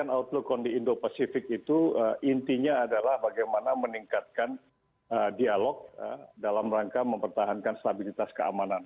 dalam arti asean outlook on the indo pacific itu intinya adalah bagaimana meningkatkan dialog dalam rangka mempertahankan stabilitas keamanan